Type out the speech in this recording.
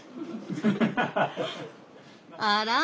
あら？